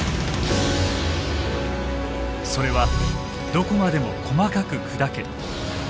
それはどこまでも細かく砕け。